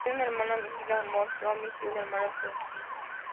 Tiene una hermana, Hilary Mills Loomis, y un hermano, Tony Mills.